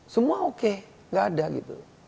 semua oke gak ada gitu